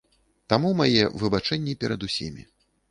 Таму мае выбачэнні перад усімі.